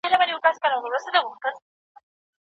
ولي د معلوماتو شننه مهمه ده؟